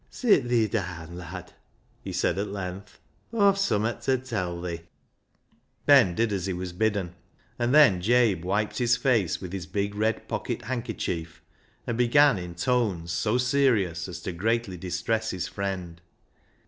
" Sit thi daan, lad," he said at length ;" Aw've summat to tell thi." Ben did as he was bidden, and then Jabe wiped his face with his big red pocket handker chief, and began in tones so serious as to greatly distress his friend.